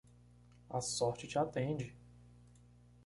A sorte te atende!